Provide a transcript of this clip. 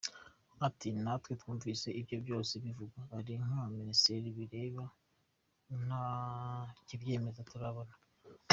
Ati “Natwe twumvise ibyo byose bivugwa ariko nka minisiteri bireba nta kibyemeza turabona.